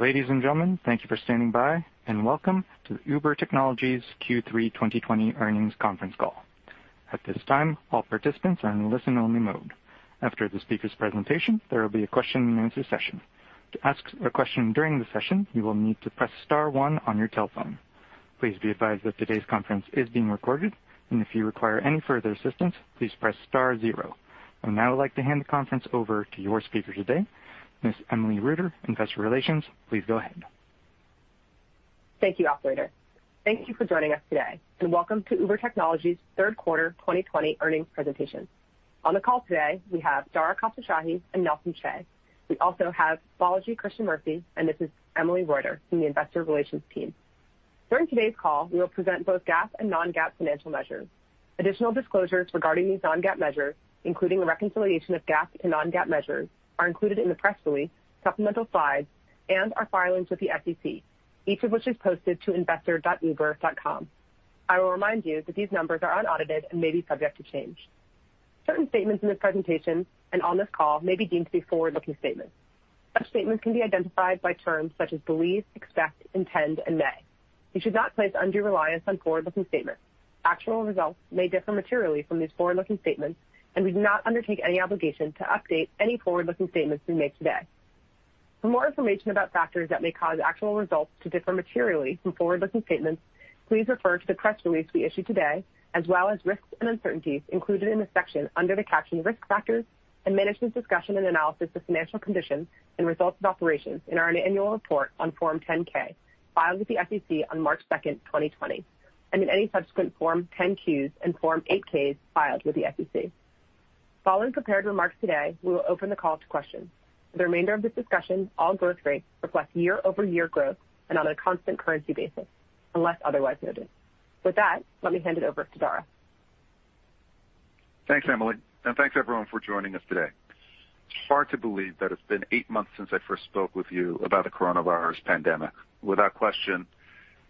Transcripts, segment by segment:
Ladies and gentlemen, thank you for standing by and welcome to Uber Technologies Q3 2020 earnings conference call. At this time, all participants are in listen only mode. After the speaker's presentation, there will be a question and answer session. To ask a question during the session, you will need to press star one on your telephone. Please be advised that today's conference is being recorded, and if you require any further assistance, please press star zero. I would now like to hand the conference over to your speaker today, Ms. Emily Reuter, investor relations. Please go ahead. Thank you, operator. Thank you for joining us today and welcome to Uber Technologies third quarter 2020 earnings presentation. On the call today we have Dara Khosrowshahi and Nelson Chai. We also have Balaji Krishnamurthy, this is Emily Reuter from the investor relations team. During today's call, we will present both GAAP and non-GAAP financial measures. Additional disclosures regarding these non-GAAP measures, including the reconciliation of GAAP to non-GAAP measures, are included in the press release, supplemental slides, and our filings with the SEC, each of which is posted to investor.uber.com. I will remind you that these numbers are unaudited and may be subject to change. Certain statements in this presentation and on this call may be deemed to be forward-looking statements. Such statements can be identified by terms such as believe, expect, intend, and may. You should not place undue reliance on forward-looking statements. Actual results may differ materially from these forward-looking statements, and we do not undertake any obligation to update any forward-looking statements we make today. For more information about factors that may cause actual results to differ materially from forward-looking statements, please refer to the press release we issued today, as well as risks and uncertainties included in the section under the caption Risk Factors and Management Discussion and Analysis of Financial Conditions and Results of Operations in our annual report on Form 10-K filed with the SEC on March 2, 2020, and in any subsequent Form 10-Qs and Form 8-Ks filed with the SEC. Following prepared remarks today, we will open the call to questions. For the remainder of this discussion, all growth rates reflect year-over-year growth and on a constant currency basis unless otherwise noted. With that, let me hand it over to Dara. Thanks, Emily, and thanks everyone for joining us today. It's hard to believe that it's been eight months since I first spoke with you about the coronavirus pandemic. Without question,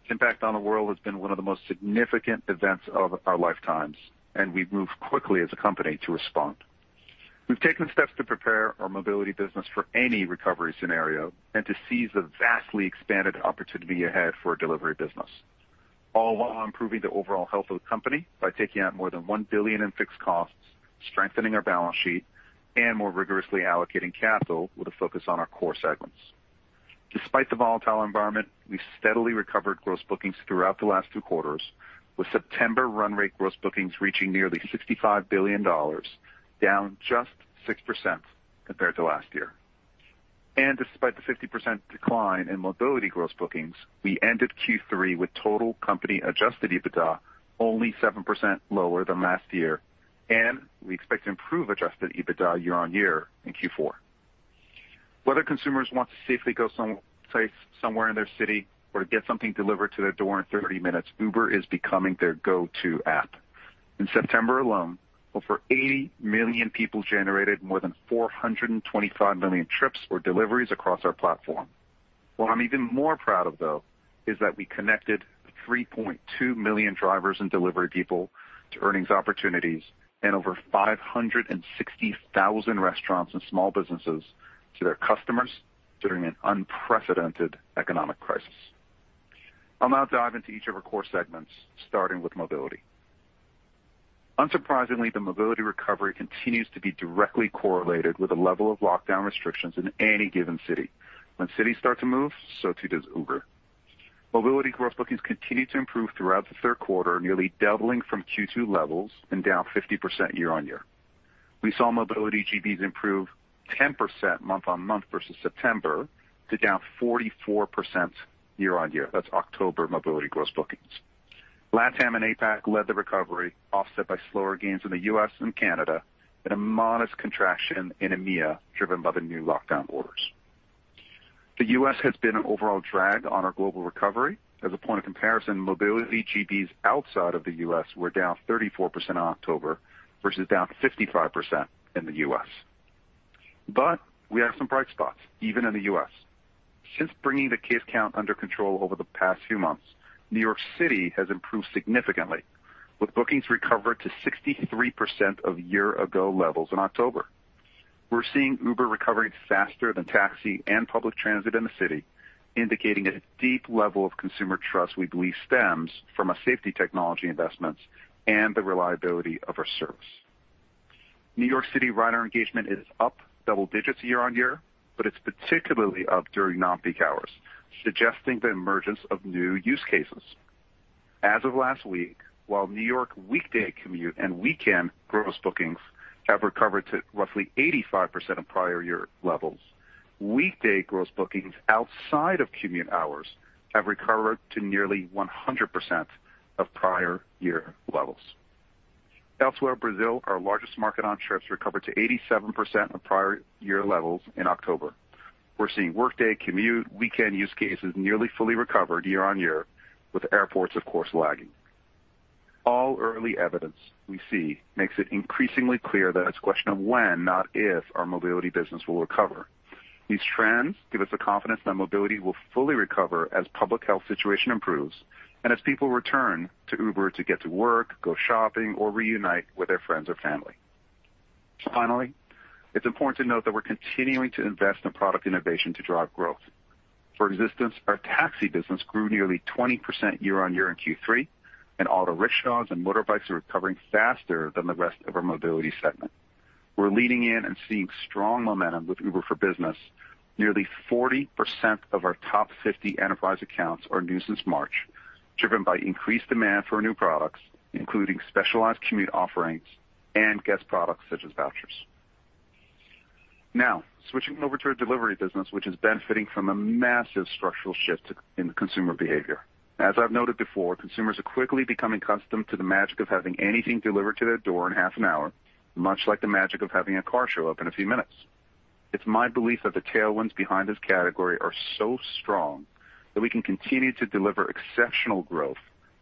its impact on the world has been one of the most significant events of our lifetimes, and we've moved quickly as a company to respond. We've taken steps to prepare our Mobility business for any recovery scenario and to seize the vastly expanded opportunity ahead for our Delivery business, all while improving the overall health of the company by taking out more than $1 billion in fixed costs, strengthening our balance sheet, and more rigorously allocating capital with a focus on our core segments. Despite the volatile environment, we steadily recovered gross bookings throughout the last two quarters, with September run rate gross bookings reaching nearly $65 billion, down just 6% compared to last year. Despite the 50% decline in Mobility gross bookings, we ended Q3 with total company adjusted EBITDA only 7% lower than last year, and we expect to improve adjusted EBITDA year-over-year in Q4. Whether consumers want to safely go someplace somewhere in their city or get something delivered to their door in 30 minutes, Uber is becoming their go-to app. In September alone, over 80 million people generated more than 425 million trips or deliveries across our platform. What I'm even more proud of, though, is that we connected 3.2 million drivers and Delivery people to earnings opportunities and over 560,000 restaurants and small businesses to their customers during an unprecedented economic crisis. I'll now dive into each of our core segments, starting with Mobility. Unsurprisingly, the Mobility recovery continues to be directly correlated with the level of lockdown restrictions in any given city. When cities start to move, too does Uber. Mobility gross bookings continued to improve throughout the third quarter, nearly doubling from Q2 levels and down 50% year-on-year. We saw Mobility GBs improve 10% month-on-month versus September to down 44% year-on-year. That's October Mobility gross bookings. LatAm and APAC led the recovery, offset by slower gains in the U.S. and Canada and a modest contraction in EMEA, driven by the new lockdown orders. The U.S. has been an overall drag on our global recovery. As a point of comparison, Mobility GBs outside of the U.S. were down 34% in October versus down 55% in the U.S. We have some bright spots, even in the U.S. Since bringing the case count under control over the past few months, New York City has improved significantly, with bookings recovered to 63% of year ago levels in October. We're seeing Uber recovering faster than taxi and public transit in the city, indicating a deep level of consumer trust we believe stems from our safety technology investments and the reliability of our service. New York City rider engagement is up double digits year-on-year, but it's particularly up during non-peak hours, suggesting the emergence of new use cases. As of last week, while New York weekday commute and weekend gross bookings have recovered to roughly 85% of prior year levels, weekday gross bookings outside of commute hours have recovered to nearly 100% of prior year levels. Elsewhere, Brazil, our largest market on trips, recovered to 87% of prior year levels in October. We're seeing workday, commute, weekend use cases nearly fully recovered year-on-year, with airports, of course, lagging. All early evidence we see makes it increasingly clear that it's a question of when, not if, our Mobility business will recover. These trends give us the confidence that Mobility will fully recover as public health situation improves and as people return to Uber to get to work, go shopping, or reunite with their friends or family. Finally, it's important to note that we're continuing to invest in product innovation to drive growth. For instance, our taxi business grew nearly 20% year-on-year in Q3, and auto rickshaws and motorbikes are recovering faster than the rest of our Mobility segment. We're leaning in and seeing strong momentum with Uber for Business. Nearly 40% of our top 50 enterprise accounts are new since March, driven by increased demand for new products, including specialized commute offerings and guest products such as vouchers. Switching over to our Delivery business, which is benefiting from a massive structural shift in consumer behavior. As I've noted before, consumers are quickly becoming accustomed to the magic of having anything delivered to their door in half an hour, much like the magic of having a car show up in a few minutes. It's my belief that the tailwinds behind this category are so strong that we can continue to deliver exceptional growth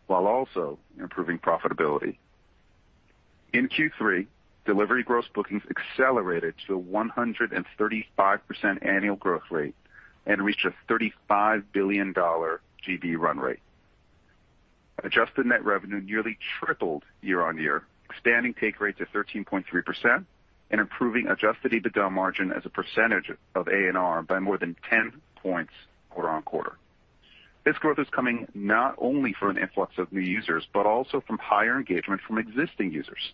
while also improving profitability. In Q3, Delivery gross bookings accelerated to a 135% annual growth rate and reached a $35 billion GB run rate. Adjusted net revenue nearly tripled year-on-year, expanding take rates of 13.3% and improving adjusted EBITDA margin as a percentage of ANR by more than 10 points quarter-on-quarter. This growth is coming not only from an influx of new users, but also from higher engagement from existing users.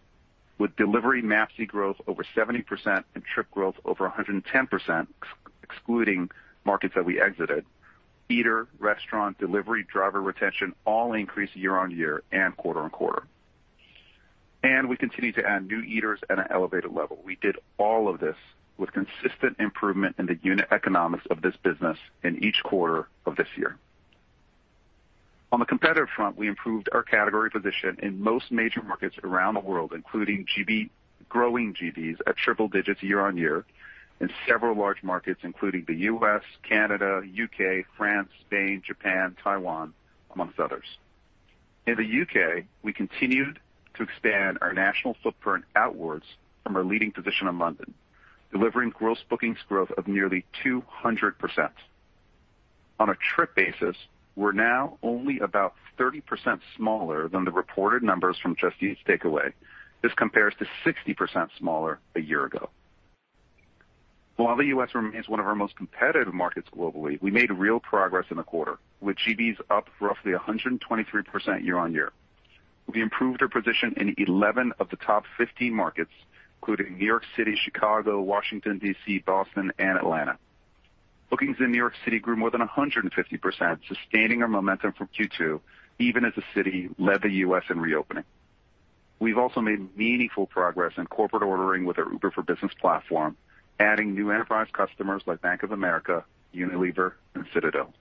With Delivery MAPC growth over 70% and trip growth over 110%, excluding markets that we exited, eater, restaurant, Delivery, driver retention all increased year-on-year and quarter-on-quarter. We continue to add new eaters at an elevated level. We did all of this with consistent improvement in the unit economics of this business in each quarter of this year. On the competitive front, we improved our category position in most major markets around the world, including growing GBs at triple digits year-on-year in several large markets, including the U.S., Canada, U.K., France, Spain, Japan, Taiwan, amongst others. In the U.K., we continued to expand our national footprint outwards from our leading position in London, delivering gross bookings growth of nearly 200%. On a trip basis, we're now only about 30% smaller than the reported numbers from Just Eat Takeaway.com. This compares to 60% smaller a year ago. While the U.S. remains one of our most competitive markets globally, we made real progress in the quarter, with GBs up roughly 123% year-on-year. We improved our position in 11 of the top 15 markets, including New York City, Chicago, Washington, D.C., Boston, and Atlanta. Bookings in New York City grew more than 150%, sustaining our momentum from Q2, even as the city led the U.S. in reopening. We've also made meaningful progress in corporate ordering with our Uber for Business platform, adding new enterprise customers like Bank of America, Unilever, and Citadel.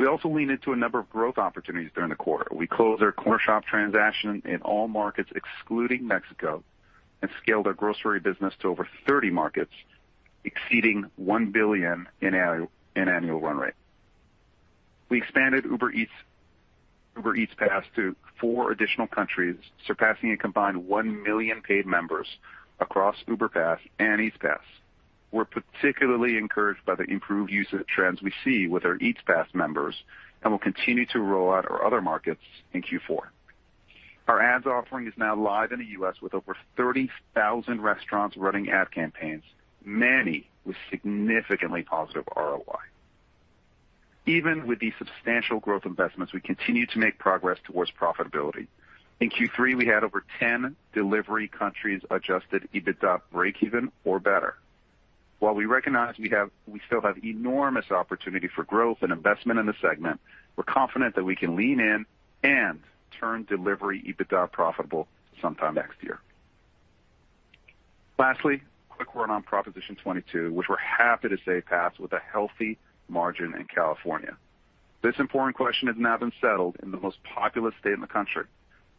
We also leaned into a number of growth opportunities during the quarter. We closed our Cornershop transaction in all markets excluding Mexico, and scaled our grocery business to over 30 markets, exceeding $1 billion in annual run rate. We expanded Uber Eats Pass to four additional countries, surpassing a combined 1 million paid members across Uber Pass and Eats Pass. We're particularly encouraged by the improved usage trends we see with our Eats Pass members and will continue to roll out our other markets in Q4. Our ads offering is now live in the U.S. with over 30,000 restaurants running ad campaigns, many with significantly positive ROI. Even with these substantial growth investments, we continue to make progress towards profitability. In Q3, we had over 10 Delivery countries adjusted EBITDA breakeven or better. While we recognize we still have enormous opportunity for growth and investment in the segment, we're confident that we can lean in and turn Delivery EBITDA profitable sometime next year. Lastly, a quick word on Proposition 22, which we're happy to say passed with a healthy margin in California. This important question has now been settled in the most populous state in the country.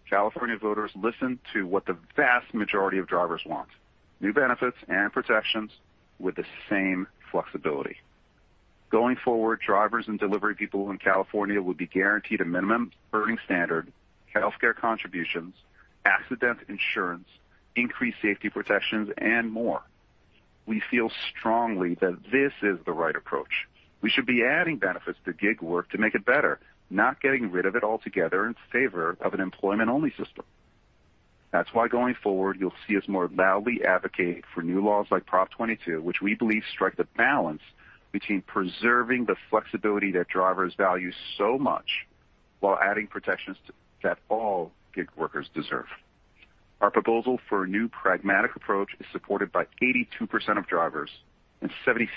California voters listened to what the vast majority of drivers want, new benefits and protections with the same flexibility. Going forward, drivers and Delivery people in California will be guaranteed a minimum earning standard, healthcare contributions, accident insurance, increased safety protections, and more. We feel strongly that this is the right approach. We should be adding benefits to gig work to make it better, not getting rid of it altogether in favor of an employment-only system. That's why going forward, you'll see us more loudly advocate for new laws like Proposition 22, which we believe strike the balance between preserving the flexibility that drivers value so much while adding protections that all gig workers deserve. Our proposal for a new pragmatic approach is supported by 82% of drivers and 76%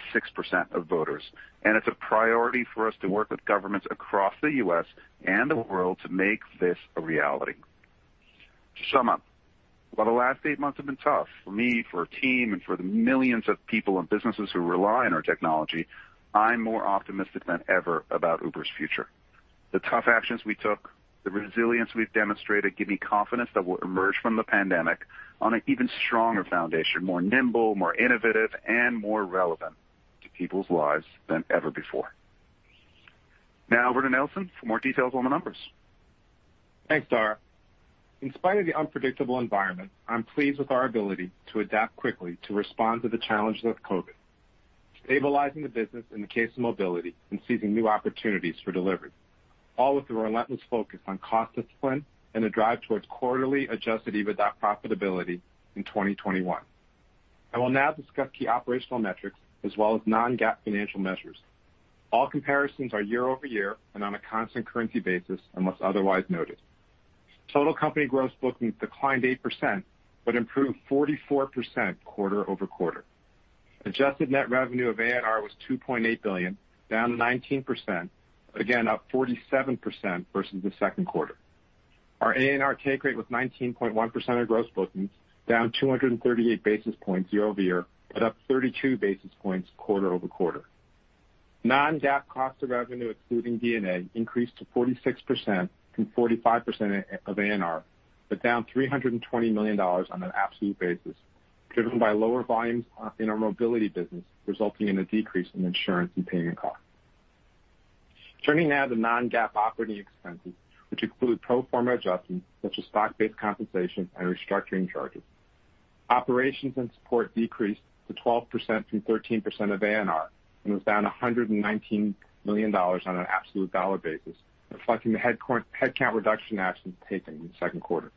of voters, and it's a priority for us to work with governments across the U.S. and the world to make this a reality. To sum up, while the last eight months have been tough for me, for our team, and for the millions of people and businesses who rely on our technology, I'm more optimistic than ever about Uber's future. The tough actions we took, the resilience we've demonstrated give me confidence that we'll emerge from the pandemic on an even stronger foundation, more nimble, more innovative, and more relevant to people's lives than ever before. Now over to Nelson for more details on the numbers. Thanks, Dara. In spite of the unpredictable environment, I'm pleased with our ability to adapt quickly to respond to the challenges of COVID. Stabilizing the business in the case of Mobility and seizing new opportunities for Delivery, all with a relentless focus on cost discipline and a drive towards quarterly adjusted EBITDA profitability in 2021. I will now discuss key operational metrics as well as non-GAAP financial measures. All comparisons are year-over-year and on a constant currency basis, unless otherwise noted. Total company gross bookings declined 8% but improved 44% quarter-over-quarter. Adjusted Net Revenue or ANR was $2.8 billion, down 19%, but again, up 47% versus the second quarter. Our ANR take rate was 19.1% of gross bookings, down 238 basis points year-over-year, but up 32 basis points quarter-over-quarter. Non-GAAP cost of revenue, excluding G&A, increased to 46% from 45% of ANR, down $320 million on an absolute basis, driven by lower volumes in our Mobility business, resulting in a decrease in insurance and payment costs. Turning now to non-GAAP operating expenses, which include pro forma adjustments, such as stock-based compensation and restructuring charges. Operations and support decreased to 12% from 13% of ANR and was down $119 million on an absolute dollar basis, reflecting the headcount reduction actions taken in the second quarter.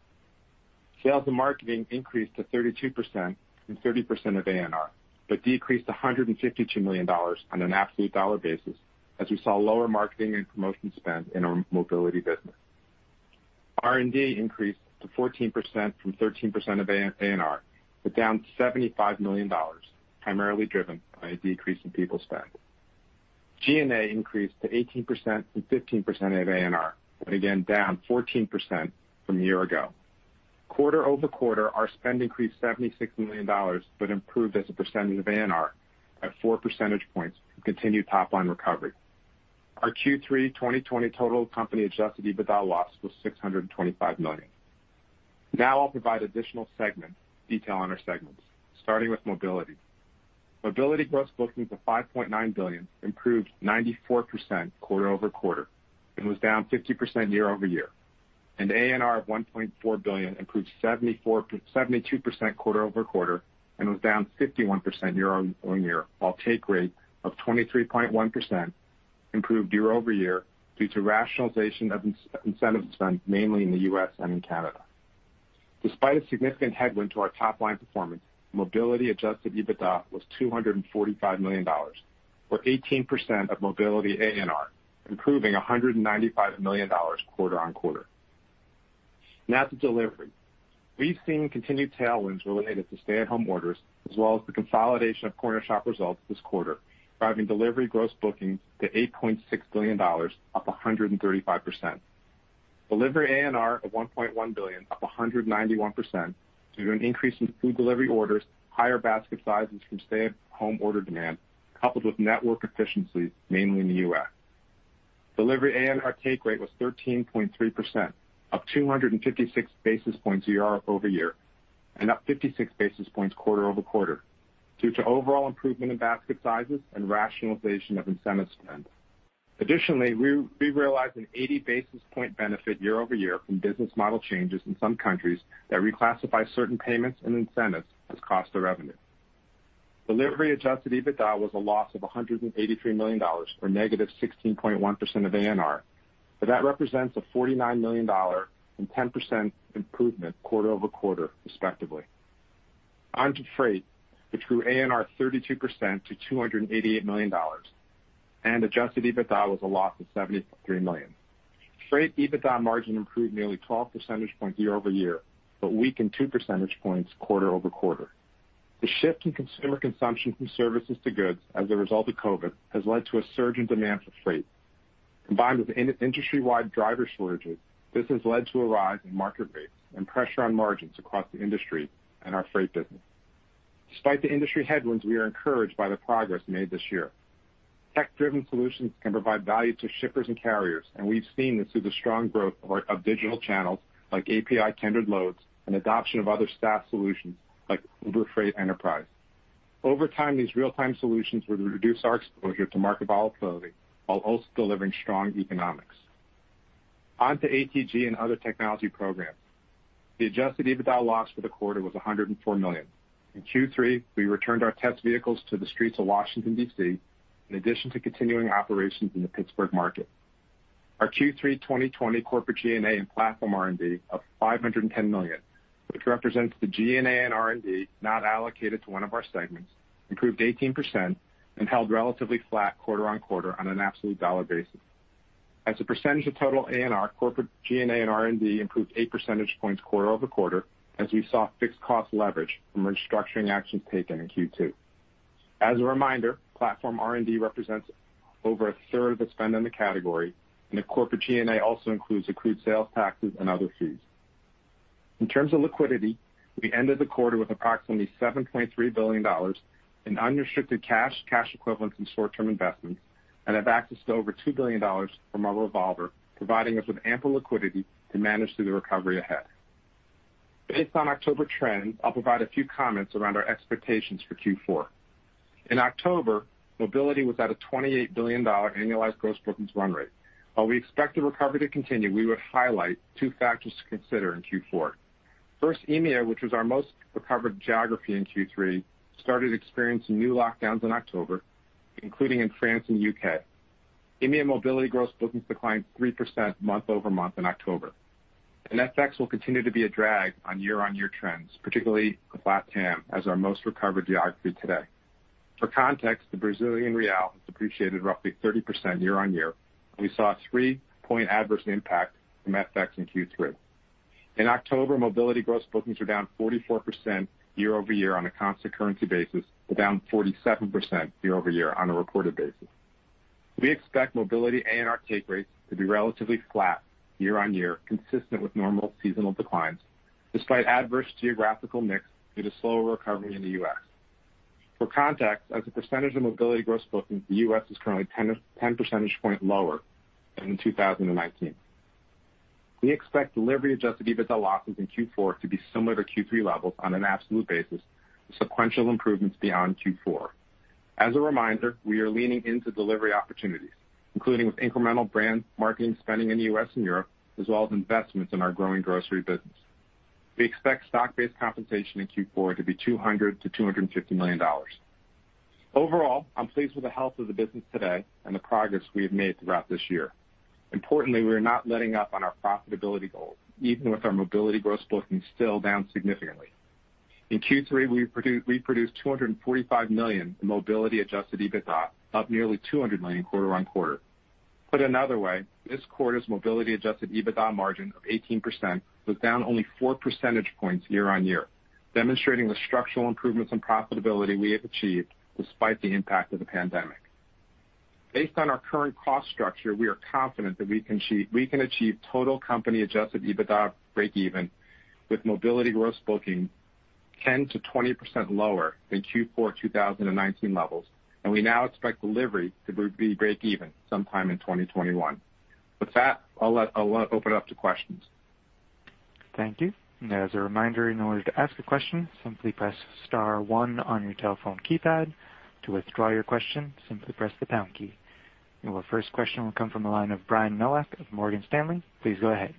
Sales and marketing increased to 32% from 30% of ANR, decreased $152 million on an absolute dollar basis, as we saw lower marketing and promotion spend in our Mobility business. R&D increased to 14% from 13% of ANR, but down $75 million, primarily driven by a decrease in people spend. G&A increased to 18% from 15% of ANR, but again, down 14% from a year ago. Quarter-over-quarter, our spend increased $76 million, but improved as a percentage of ANR at 4 percentage points to continue top line recovery. Our Q3 2020 total company adjusted EBITDA loss was $625 million. I'll provide additional segment detail on our segments, starting with Mobility. Mobility gross bookings of $5.9 billion improved 94% quarter-over-quarter and was down 50% year-over-year. ANR of $1.4 billion improved 72% quarter-over-quarter and was down 51% year-over-year, while take rate of 23.1% improved year-over-year due to rationalization of incentive spend, mainly in the U.S. and in Canada. Despite a significant headwind to our top line performance, Mobility adjusted EBITDA was $245 million, or 18% of Mobility ANR, improving $195 million quarter-on-quarter. Now to Delivery. We've seen continued tailwinds related to stay-at-home orders, as well as the consolidation of Cornershop results this quarter, driving Delivery gross bookings to $8.6 billion, up 135%. Delivery ANR of $1.1 billion, up 191% due to an increase in food Delivery orders, higher basket sizes from stay-at-home order demand, coupled with network efficiencies, mainly in the U.S. Delivery ANR take rate was 13.3%, up 256 basis points year-over-year and up 56 basis points quarter-over-quarter due to overall improvement in basket sizes and rationalization of incentive spend. Additionally, we realized an 80 basis point benefit year-over-year from business model changes in some countries that reclassify certain payments and incentives as cost of revenue. Delivery adjusted EBITDA was a loss of $183 million, or negative 16.1% of ANR, that represents a $49 million and 10% improvement quarter-over-quarter, respectively. On to Freight, which grew ANR 32% to $288 million. Adjusted EBITDA was a loss of $73 million. Freight EBITDA margin improved nearly 12 percentage points year-over-year, weakened 2 percentage points quarter-over-quarter. The shift in consumer consumption from services to goods as a result of COVID has led to a surge in demand for Freight. Combined with industry-wide driver shortages, this has led to a rise in market rates and pressure on margins across the industry and our Freight business. Despite the industry headwinds, we are encouraged by the progress made this year. Tech-driven solutions can provide value to shippers and carriers. We've seen this through the strong growth of digital channels like API-tendered loads and adoption of other staff solutions like Uber Freight Enterprise. Over time, these real-time solutions will reduce our exposure to market volatility while also delivering strong economics. On to ATG and other technology programs. The adjusted EBITDA loss for the quarter was $104 million. In Q3, we returned our test vehicles to the streets of Washington, D.C., in addition to continuing operations in the Pittsburgh market. Our Q3 2020 corporate G&A and platform R&D of $510 million, which represents the G&A and R&D not allocated to one of our segments, improved 18% and held relatively flat quarter-on-quarter on an absolute dollar basis. As a percentage of total ANR, corporate G&A and R&D improved 8 percentage points quarter-over-quarter as we saw fixed cost leverage from restructuring actions taken in Q2. As a reminder, platform R&D represents over a third of the spend in the category, and the corporate G&A also includes accrued sales taxes and other fees. In terms of liquidity, we ended the quarter with approximately $7.3 billion in unrestricted cash equivalents, and short-term investments and have access to over $2 billion from our revolver, providing us with ample liquidity to manage through the recovery ahead. Based on October trends, I'll provide a few comments around our expectations for Q4. In October, Mobility was at a $28 billion annualized gross bookings run rate. While we expect the recovery to continue, we would highlight two factors to consider in Q4. First, EMEA, which was our most recovered geography in Q3, started experiencing new lockdowns in October, including in France and U.K. EMEA Mobility gross bookings declined 3% month-over-month in October. FX will continue to be a drag on year-on-year trends, particularly for LatAm as our most recovered geography today. For context, the Brazilian real has depreciated roughly 30% year-on-year. We saw a three-point adverse impact from FX in Q3. In October, Mobility gross bookings were down 44% year-over-year on a constant currency basis, but down 47% year-over-year on a reported basis. We expect Mobility ANR take rates to be relatively flat year-on-year, consistent with normal seasonal declines, despite adverse geographical mix due to slower recovery in the U.S. For context, as a percentage of Mobility gross bookings, the U.S. is currently 10 percentage points lower than in 2019. We expect Delivery adjusted EBITDA losses in Q4 to be similar to Q3 levels on an absolute basis, with sequential improvements beyond Q4. As a reminder, we are leaning into Delivery opportunities, including with incremental brand marketing spending in the U.S. and Europe, as well as investments in our growing Grocery business. We expect stock-based compensation in Q4 to be $200 million-$250 million. Overall, I'm pleased with the health of the business today and the progress we have made throughout this year. Importantly, we are not letting up on our profitability goals, even with our Mobility gross bookings still down significantly. In Q3, we produced $245 million in Mobility adjusted EBITDA, up nearly $200 million quarter-over-quarter. Put another way, this quarter's Mobility adjusted EBITDA margin of 18% was down only 4 percentage points year-over-year, demonstrating the structural improvements in profitability we have achieved despite the impact of the pandemic. Based on our current cost structure, we are confident that we can achieve total company adjusted EBITDA breakeven with Mobility gross bookings 10%-20% lower than Q4 2019 levels. We now expect Delivery to be breakeven sometime in 2021. With that, I'll open it up to questions. Thank you. As a reminder, in order to ask a question, simply press star one on your telephone keypad. To withdraw your question, simply press the pound key. Our first question will come from the line of Brian Nowak of Morgan Stanley. Please go ahead.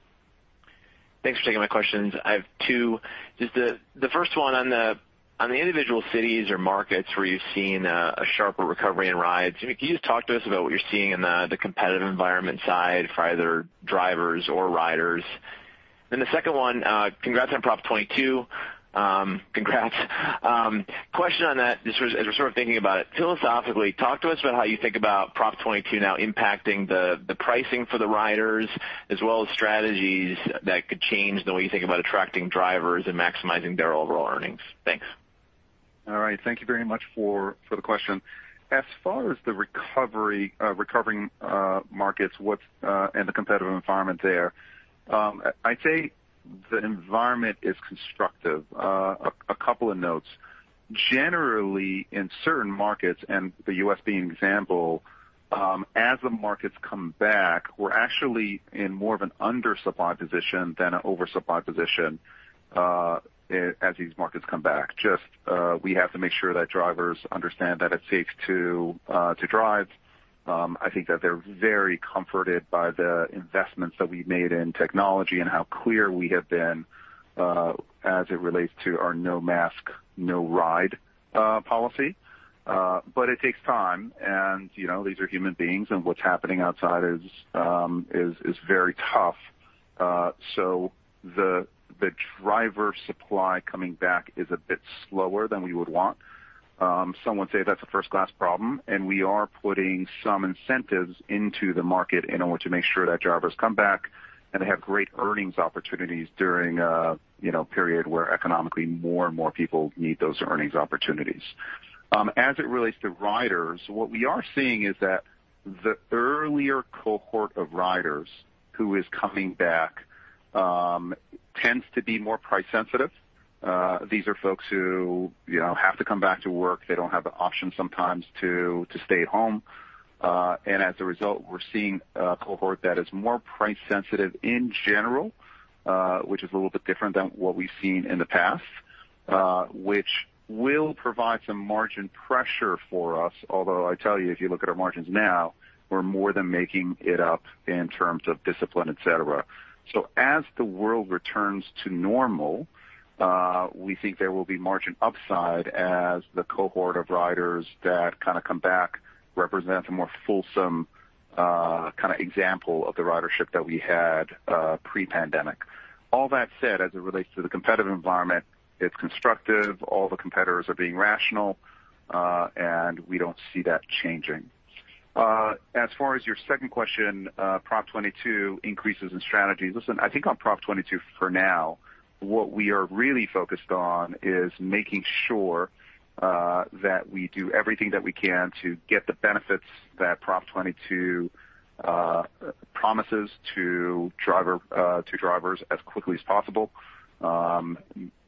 Thanks for taking my questions. I have two. The first one on the individual cities or markets where you've seen a sharper recovery in rides, can you just talk to us about what you're seeing in the competitive environment side for either drivers or riders? The second one, congrats on Proposition 22. congrats. Question on that, as we're thinking about it philosophically, talk to us about how you think about Proposition 22 now impacting the pricing for the riders as well as strategies that could change the way you think about attracting drivers and maximizing their overall earnings. Thanks. All right. Thank you very much for the question. As far as the recovery, recovering markets and the competitive environment there, I'd say the environment is constructive. A couple of notes. Generally, in certain markets, and the U.S. being an example, as the markets come back, we're actually in more of an undersupply position than an oversupply position as these markets come back. Just, we have to make sure that drivers understand that it's safe to drive. I think that they're very comforted by the investments that we've made in technology and how clear we have been as it relates to our No Mask, No Ride policy. It takes time, and, you know, these are human beings, and what's happening outside is very tough. The driver supply coming back is a bit slower than we would want. Some would say that's a first-class problem, and we are putting some incentives into the market in order to make sure that drivers come back and they have great earnings opportunities during a, you know, period where economically more and more people need those earnings opportunities. As it relates to riders, what we are seeing is that the earlier cohort of riders who is coming back, tends to be more price sensitive. These are folks who, you know, have to come back to work. They don't have the option sometimes to stay at home. As a result, we're seeing a cohort that is more price sensitive in general, which is a little bit different than what we've seen in the past, which will provide some margin pressure for us. I tell you, if you look at our margins now, we're more than making it up in terms of discipline, et cetera. As the world returns to normal, we think there will be margin upside as the cohort of riders that kind of come back represent a more fulsome, kind of example of the ridership that we had, pre-pandemic. That said, as it relates to the competitive environment, it's constructive. All the competitors are being rational, we don't see that changing. As far as your second question, Proposition 22 increases in strategies. Listen, I think on Proposition 22 for now, what we are really focused on is making sure that we do everything that we can to get the benefits that Proposition 22 promises to drivers as quickly as possible.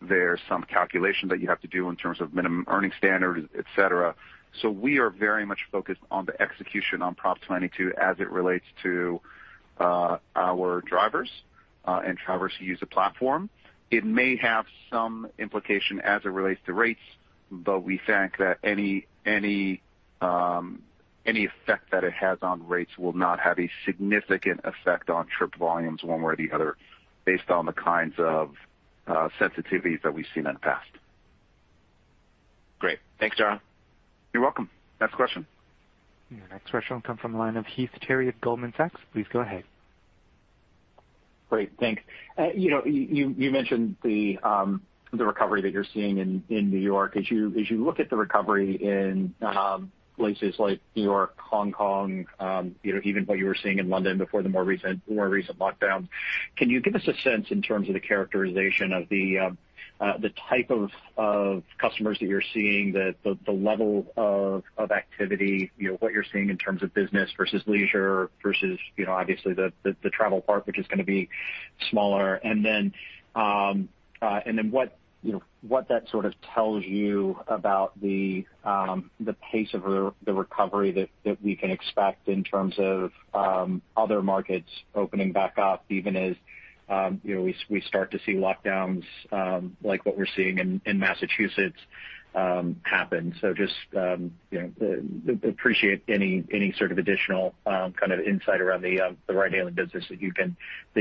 There's some calculation that you have to do in terms of minimum earning standards, et cetera. We are very much focused on the execution on Proposition 22 as it relates to our drivers and travelers who use the platform. It may have some implication as it relates to rates, but we think that any. Any effect that it has on rates will not have a significant effect on trip volumes one way or the other based on the kinds of sensitivities that we've seen in the past. Great. Thanks, Dara. You're welcome. Next question. Your next question will come from the line of Heath Terry at Goldman Sachs. Please go ahead. Great. Thanks. You know, you mentioned the recovery that you're seeing in New York. As you look at the recovery in places like New York, Hong Kong, you know, even what you were seeing in London before the more recent lockdowns, can you give us a sense in terms of the characterization of the type of customers that you're seeing, the level of activity, you know, what you're seeing in terms of business versus leisure versus, you know, obviously the travel part, which is gonna be smaller? What, you know, what that sort of tells you about the pace of the recovery that we can expect in terms of other markets opening back up, even as, you know, we start to see lockdowns like what we're seeing in Massachusetts happen. You know, appreciate any sort of additional kind of insight around the ride-hailing business that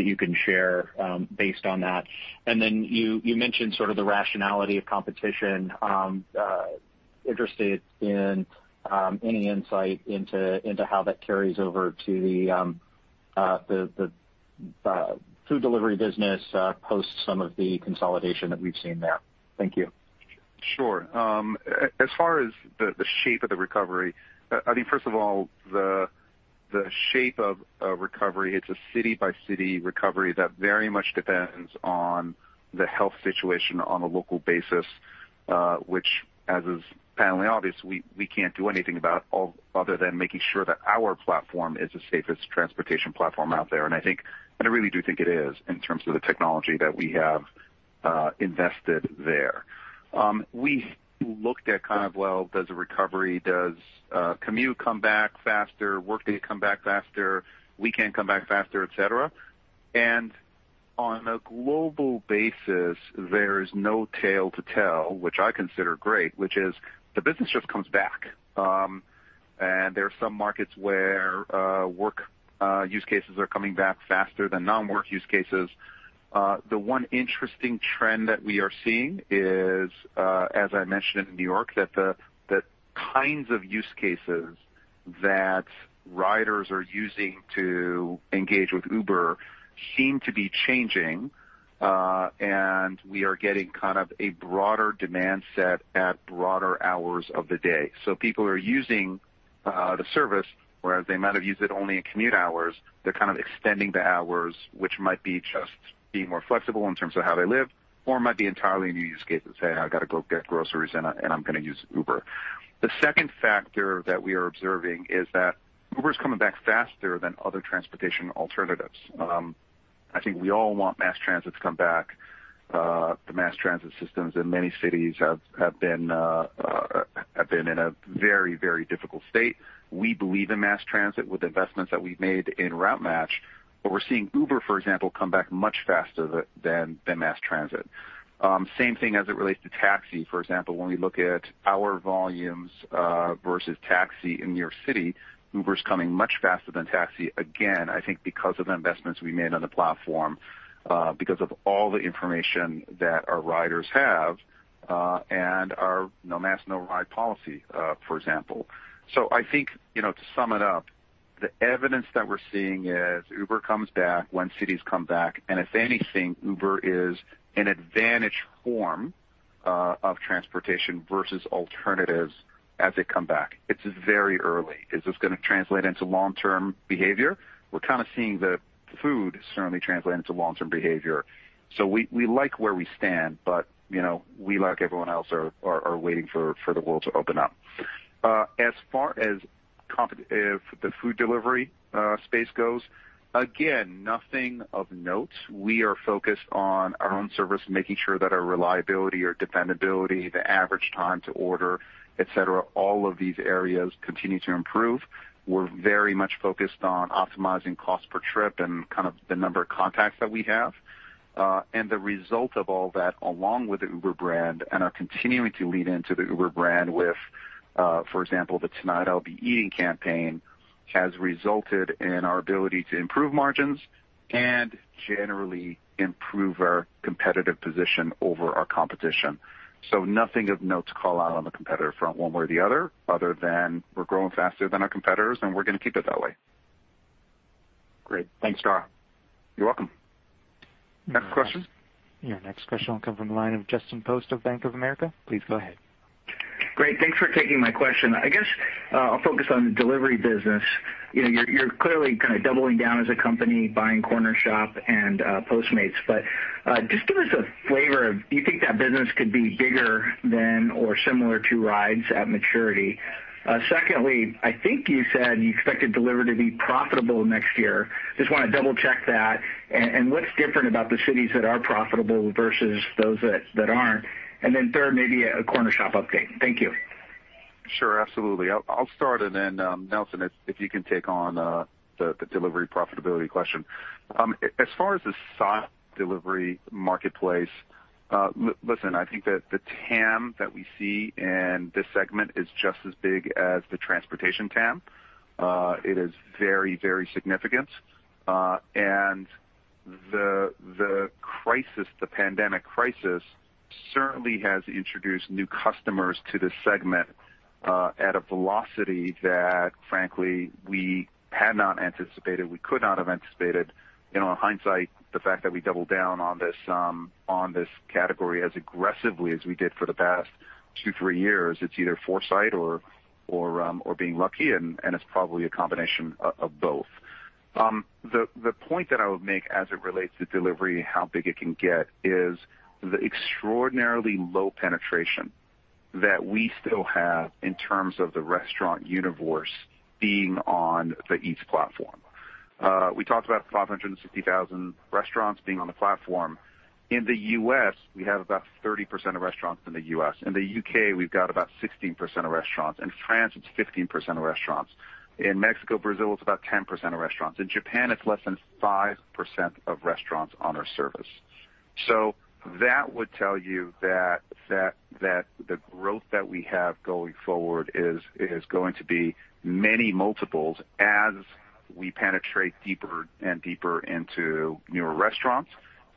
you can share based on that. You mentioned sort of the rationality of competition. Interested in any insight into how that carries over to the food Delivery business post some of the consolidation that we've seen there. Thank you. Sure. As far as the shape of the recovery, I mean, first of all, the shape of a recovery, it's a city-by-city recovery that very much depends on the health situation on a local basis, which as is patently obvious, we can't do anything about other than making sure that our platform is the safest transportation platform out there. I really do think it is in terms of the technology that we have invested there. We looked at kind of, well, does a recovery, does commute come back faster, workday come back faster, weekend come back faster, et cetera? On a global basis, there's no tale to tell, which I consider great, which is the business just comes back. There are some markets where work use cases are coming back faster than non-work use cases. The one interesting trend that we are seeing is, as I mentioned in N.Y., that the kinds of use cases that riders are using to engage with Uber seem to be changing. We are getting kind of a broader demand set at broader hours of the day. People are using the service, whereas they might have used it only in commute hours, they're kind of extending the hours, which might be just being more flexible in terms of how they live or might be entirely a new use case and say, "I've gotta go get groceries and I'm gonna use Uber." The second factor that we are observing is that Uber's coming back faster than other transportation alternatives. I think we all want mass transit to come back. The mass transit systems in many cities have been in a very difficult state. We believe in mass transit with investments that we've made in Routematch, but we're seeing Uber, for example, come back much faster than mass transit. Same thing as it relates to taxi. For example, when we look at our volumes versus taxi in New York City, Uber's coming much faster than taxi, again, I think because of investments we made on the platform, because of all the information that our riders have, and our No Mask, No Ride policy, for example. I think, you know, to sum it up, the evidence that we're seeing is Uber comes back when cities come back, and if anything, Uber is an advantaged form of transportation versus alternatives as they come back. It's very early. Is this gonna translate into long-term behavior? We're kind of seeing the food certainly translate into long-term behavior. We like where we stand, but, you know, we, like everyone else, are waiting for the world to open up. As far as the food Delivery space goes, again, nothing of note. We are focused on our own service, making sure that our reliability, our dependability, the average time to order, et cetera, all of these areas continue to improve. We're very much focused on optimizing cost per trip and kind of the number of contacts that we have. The result of all that along with the Uber brand and are continuing to lean into the Uber brand with, for example, the Tonight I'll Be Eating campaign, has resulted in our ability to improve margins and generally improve our competitive position over our competition. Nothing of note to call out on the competitor front one way or the other than we're growing faster than our competitors, and we're gonna keep it that way. Great. Thanks, Dara. You're welcome. Next question. Your next question will come from the line of Justin Post of Bank of America. Please go ahead. Great. Thanks for taking my question. I guess, I'll focus on the Delivery business. You know, you're clearly kind of doubling down as a company buying Cornershop and Postmates, but just give us a flavor of do you think that business could be bigger than or similar to rides at maturity? Secondly, I think you said you expected Delivery to be profitable next year. Just wanna double-check that. And what's different about the cities that are profitable versus those that aren't? Third, maybe a Cornershop update. Thank you. Sure. Absolutely. I'll start, and then, Nelson, if you can take on the Delivery profitability question. As far as the soft Delivery marketplace, listen, I think that the TAM that we see in this segment is just as big as the transportation TAM. It is very, very significant. The crisis, the pandemic crisis certainly has introduced new customers to this segment at a velocity that frankly we had not anticipated, we could not have anticipated. You know, in hindsight, the fact that we doubled down on this category as aggressively as we did for the past two, three years, it's either foresight or being lucky and it's probably a combination of both. The point that I would make as it relates to Delivery, how big it can get, is the extraordinarily low penetration that we still have in terms of the restaurant universe being on the Eats platform. We talked about 560,000 restaurants being on the platform. In the U.S., we have about 30% of restaurants in the U.S. In the U.K., we've got about 16% of restaurants. In France, it's 15% of restaurants. In Mexico, Brazil, it's about 10% of restaurants. In Japan, it's less than 5% of restaurants on our service. That would tell you that the growth that we have going forward is going to be many multiples as we penetrate deeper and deeper into newer restaurants.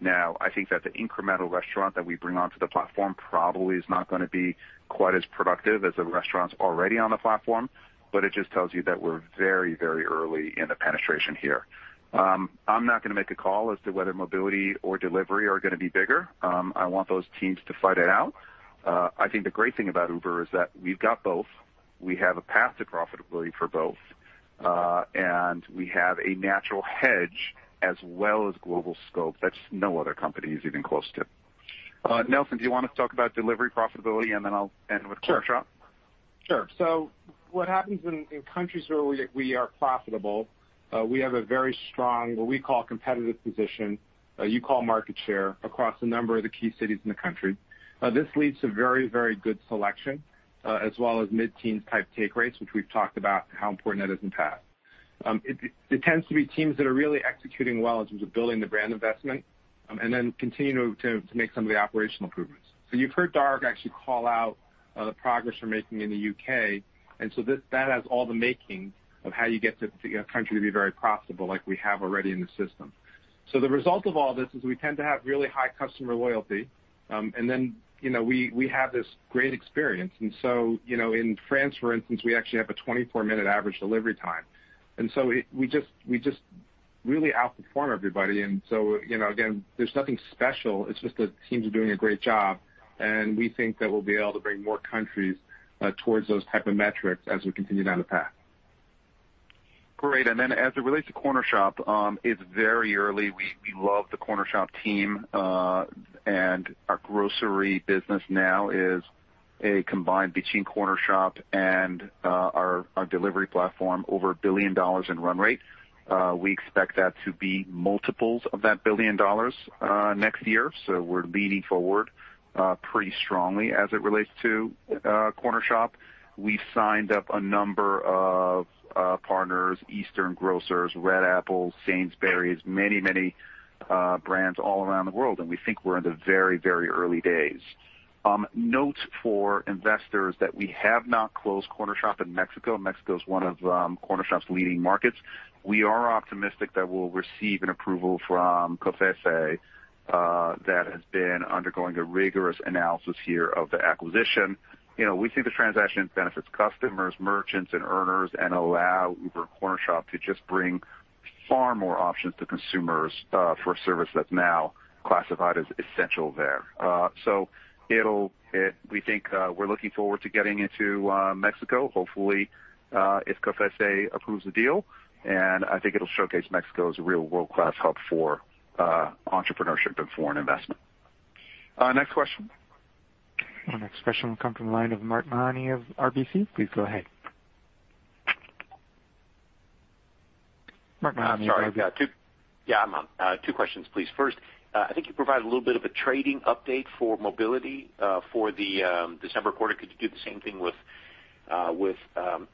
I think that the incremental restaurant that we bring onto the platform probably is not gonna be quite as productive as the restaurants already on the platform, but it just tells you that we're very, very early in the penetration here. I'm not gonna make a call as to whether Mobility or Delivery are gonna be bigger. I want those teams to fight it out. I think the great thing about Uber is that we've got both. We have a path to profitability for both, and we have a natural hedge as well as global scope that's no other company is even close to. Nelson, do you wanna talk about Delivery profitability, and then I'll end with Cornershop? Sure. Sure. What happens in countries where we are profitable, we have a very strong, what we call competitive position, you call market share, across a number of the key cities in the country. This leads to very good selection, as well as mid-teens type take rates, which we've talked about how important that is in the past. It tends to be teams that are really executing well in terms of building the brand investment, and then continuing to make some of the operational improvements. You've heard Dara actually call out the progress we're making in the U.K., that has all the making of how you get to a country to be very profitable like we have already in the system. The result of all this is we tend to have really high customer loyalty, and then, you know, we have this great experience. You know, in France, for instance, we actually have a 24 minute average Delivery time. We just really outperform everybody. You know, again, there's nothing special. It's just the teams are doing a great job, and we think that we'll be able to bring more countries towards those type of metrics as we continue down the path. Great. As it relates to Cornershop, it's very early. We love the Cornershop team. Our Grocery business now is a combined between Cornershop and our Delivery platform, over $1 billion in run rate. We expect that to be multiples of that $1 billion next year, so we're leaning forward pretty strongly as it relates to Cornershop. We've signed up a number of partners, Southeastern Grocers, Red Apple Group, Sainsbury's, many brands all around the world, we think we're in the very early days. Note for investors that we have not closed Cornershop in Mexico. Mexico is one of Cornershop's leading markets. We are optimistic that we'll receive an approval from COFECE that has been undergoing a rigorous analysis here of the acquisition. You know, we see the transaction benefits customers, merchants, and earners and allow Uber Cornershop to just bring far more options to consumers, for a service that's now classified as essential there. We think, we're looking forward to getting into Mexico, hopefully, if COFECE approves the deal, I think it'll showcase Mexico as a real world-class hub for entrepreneurship and foreign investment. Next question. Our next question will come from the line of Mark Mahaney of RBC. Please go ahead. Mark Mahaney of RBC. Sorry. Yeah, two questions, please. First, I think you provided a little bit of a trading update for Mobility for the December quarter. Could you do the same thing with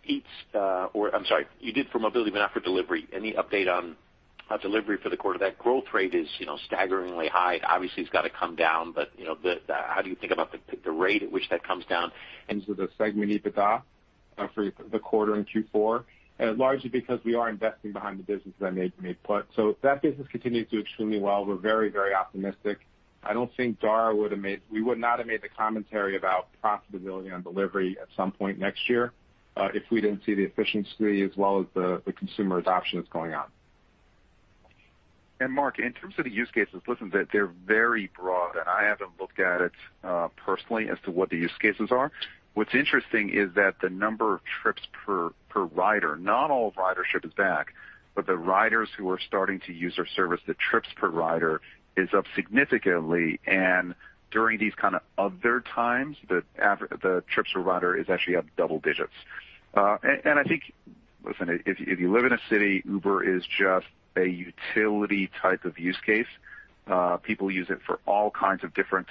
Eats? I'm sorry, you did for Mobility, but not for Delivery. Any update on Delivery for the quarter? That growth rate is, you know, staggeringly high. Obviously, it's got to come down, but, you know, the rate at which that comes down? In terms of the segment EBITDA for the quarter in Q4, largely because we are investing behind the business, as I made put. That business continues to do extremely well. We're very optimistic. We would not have made the commentary about profitability on Delivery at some point next year if we didn't see the efficiency as well as the consumer adoption that's going on. Mark, in terms of the use cases, listen, they're very broad, I haven't looked at it personally as to what the use cases are. What's interesting is that the number of trips per rider, not all of ridership is back, but the riders who are starting to use our service, the trips per rider is up significantly. During these kind of other times, the trips per rider is actually up double digits. I think, listen, if you live in a city, Uber is just a utility type of use case. People use it for all kinds of different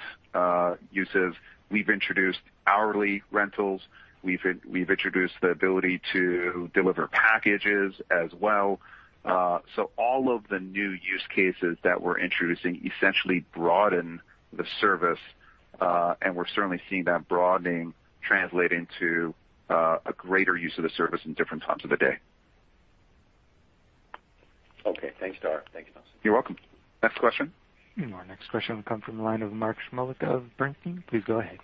uses. We've introduced hourly rentals. We've introduced the ability to deliver packages as well. All of the new use cases that we're introducing essentially broaden the service. We're certainly seeing that broadening translating to a greater use of the service in different times of the day. Okay. Thanks, Dara. Thank you, Nelson. You're welcome. Next question. Our next question will come from the line of Mark Shmulik of Bernstein. Please go ahead.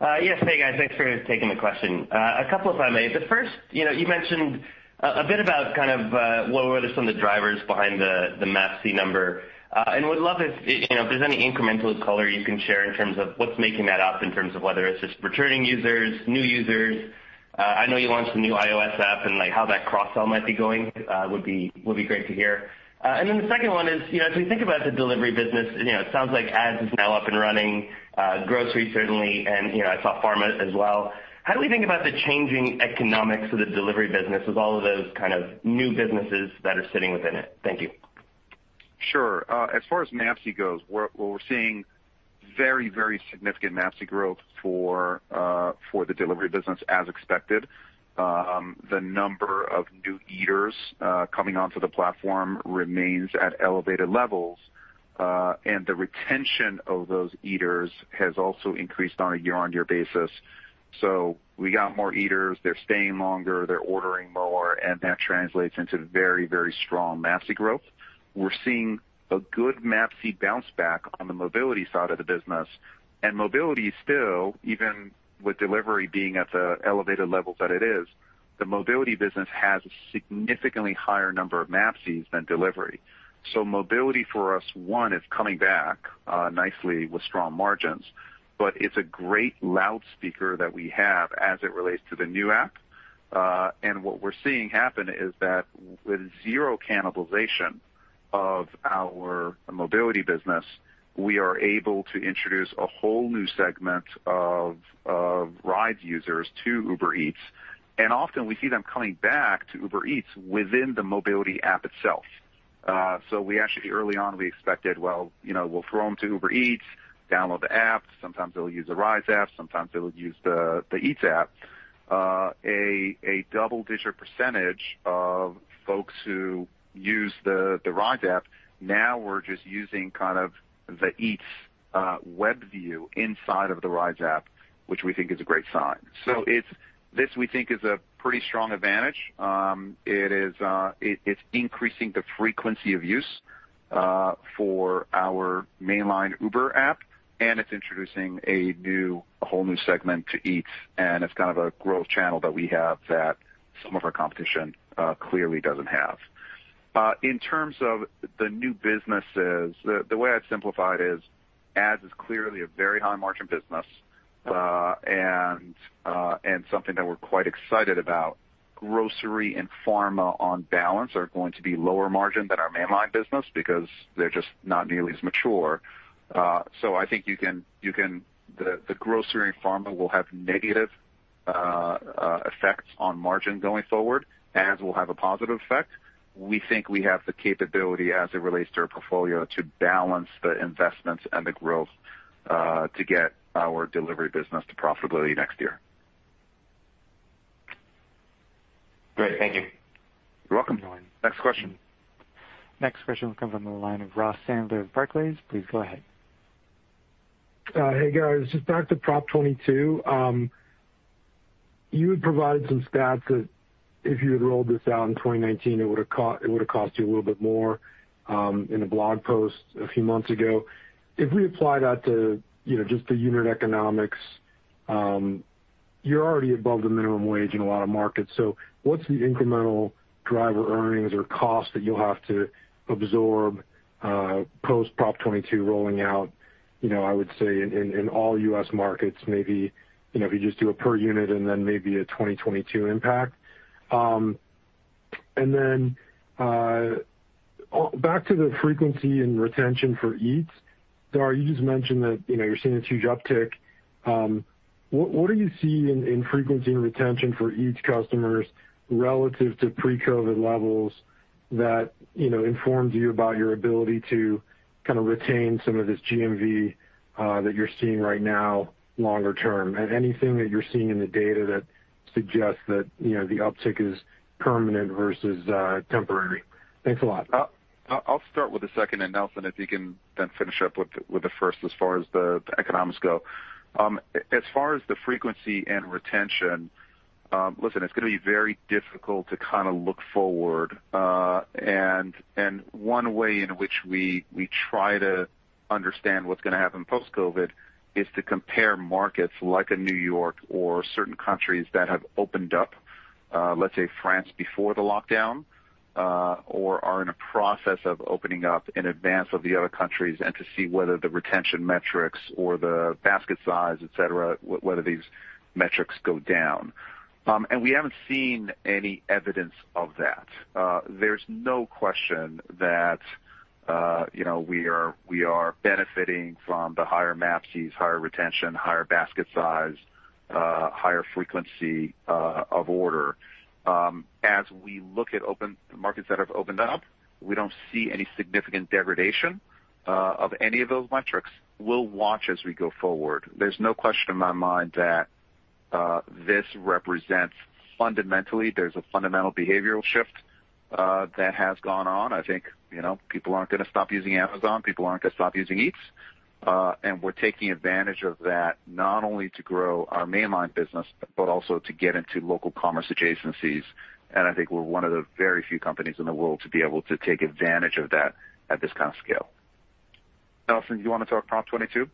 Yes. Hey, guys. Thanks for taking the question. A couple if I may. The first, you know, you mentioned a bit about kind of what were some of the drivers behind the MAPC number. Would love if, you know, if there's any incremental color you can share in terms of what's making that up in terms of whether it's just returning users, new users. I know you launched a new iOS app and, like, how that cross-sell might be going, would be great to hear. The second one is, you know, as we think about the Delivery business, you know, it sounds like ads is now up and running, Grocery certainly, and, you know, I saw Pharma as well. How do we think about the changing economics of the Delivery business with all of those kind of new businesses that are sitting within it? Thank you. Sure. As far as MAPC goes, what we're seeing very, very significant MAPC growth for the Delivery business as expected. The number of new eaters coming onto the platform remains at elevated levels, and the retention of those eaters has also increased on a year-on-year basis. We got more eaters. They're staying longer, they're ordering more, and that translates into very, very strong MAPC growth. We're seeing a good MAPC bounce back on the Mobility side of the business. Mobility still, even with Delivery being at the elevated levels that it is, the Mobility business has a significantly higher number of MAPCs than Delivery. Mobility for us, one, is coming back nicely with strong margins, but it's a great loudspeaker that we have as it relates to the new app. What we're seeing happen is that with zero cannibalization of our Mobility business, we are able to introduce a whole new segment of rides users to Uber Eats, and often we see them coming back to Uber Eats within the Mobility app itself. We actually early on, we expected, well, you know, we'll throw them to Uber Eats, download the app. Sometimes they'll use the Rides app, sometimes they'll use the Eats app. A double-digit percentage of folks who use the Rides app now are just using kind of the Eats web view inside of the Rides app, which we think is a great sign. This, we think is a pretty strong advantage. It's increasing the frequency of use for our mainline Uber app, and it's introducing a whole new segment to Eats. It's kind of a growth channel that we have that some of our competition clearly doesn't have. In terms of the new businesses, the way I'd simplify it is ads is clearly a very high margin business and something that we're quite excited about. Grocery and Pharma on balance are going to be lower margin than our mainline business because they're just not nearly as mature. I think the Grocery and Pharma will have negative effects on margin going forward. Ads will have a positive effect. We think we have the capability as it relates to our portfolio to balance the investments and the growth, to get our Delivery business to profitability next year. Great. Thank you. You're welcome. Next question. Next question comes on the line of Ross Sandler of Barclays. Please go ahead. Hey, guys. Just back to Proposition 22. You had provided some stats that if you had rolled this out in 2019, it would've cost you a little bit more in a blog post a few months ago. If we apply that to, you know, just the unit economics, you're already above the minimum wage in a lot of markets. What's the incremental driver earnings or costs that you'll have to absorb post Proposition 22 rolling out, you know, I would say in all U.S. markets, maybe, you know, if you just do a per unit and then maybe a 2022 impact? Back to the frequency and retention for Eats. Dara, you just mentioned that, you know, you're seeing a huge uptick. What are you seeing in frequency and retention for Eats customers relative to pre-COVID levels that, you know, informs you about your ability to kind of retain some of this GMV that you're seeing right now longer term? Anything that you're seeing in the data that suggests that, you know, the uptick is permanent versus temporary? Thanks a lot. I'll start with the second, and Nelson, if you can then finish up with the first as far as the economics go. As far as the frequency and retention, listen, it's gonna be very difficult to kind of look forward. One way in which we try to understand what's gonna happen post-COVID is to compare markets like a New York or certain countries that have opened up, let's say France before the lockdown, or are in a process of opening up in advance of the other countries and to see whether the retention metrics or the basket size, et cetera, whether these metrics go down. We haven't seen any evidence of that. There's no question that, you know, we are benefiting from the higher MAPCs, higher retention, higher basket size, higher frequency of order. As we look at markets that have opened up, we don't see any significant degradation of any of those metrics. We'll watch as we go forward. There's no question in my mind that this represents fundamentally, there's a fundamental behavioral shift that has gone on. I think, you know, people aren't gonna stop using Amazon, people aren't gonna stop using Eats. We're taking advantage of that, not only to grow our mainline business, but also to get into local commerce adjacencies. I think we're one of the very few companies in the world to be able to take advantage of that at this kind of scale. Nelson, do you wanna talk Proposition